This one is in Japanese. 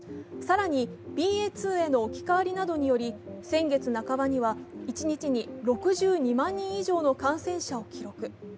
更に、ＢＡ．２への置き換わりなどにより、先月半ばには一日に６２万人以上の感染者を記録。